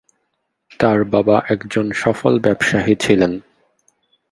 তাঁর বাবা একজন সফল ব্যবসায়ী ছিলেন।